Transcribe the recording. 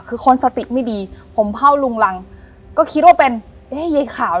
คือคนสติไม่ดีผมเผ่าลุงรังก็คิดว่าเป็นเอ๊ะยายขาว